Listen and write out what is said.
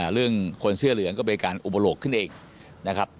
เรื่องคนเสื้อเหลืองก็เป็นการอุปโลกขึ้นเองนะครับ